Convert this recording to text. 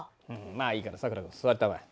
まあいいからさくら君座りたまえ。